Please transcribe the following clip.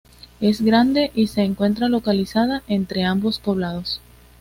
Es grande y se encuentra localizada entre ambos poblados.